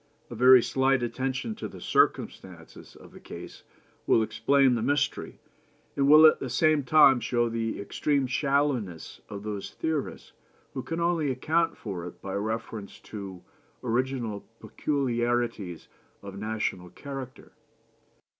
A very slight attention to the circumstances of the case will explain the mystery, and will at the same time show the extreme shallowness of those theorists who can only account for it by reference to original peculiarities of national character.